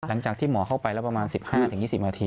หลังจากที่หมอเข้าไปแล้วประมาณ๑๕๒๐นาที